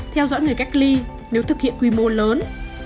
theo dõi người cách ly nếu thực hiện quy mô lớn